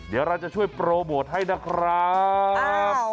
เดี๋ยวเราจะช่วยโปรโมทให้นะครับ